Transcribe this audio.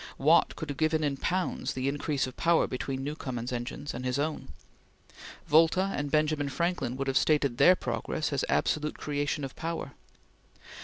Watt could have given in pounds the increase of power between Newcomen's engines and his own. Volta and Benjamin Franklin would have stated their progress as absolute creation of power.